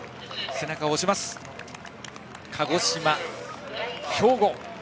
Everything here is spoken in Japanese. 鹿児島、兵庫。